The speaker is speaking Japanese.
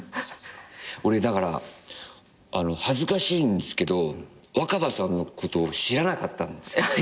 俺だから恥ずかしいんですけど若葉さんのことを知らなかったんですよ。